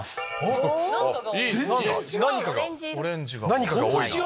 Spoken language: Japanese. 何かが多いな。